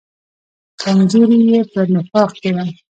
کمزوري یې په نفاق کې ده.